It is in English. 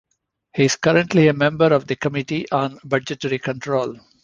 He is currently a member of the Committee on Budgetary Control.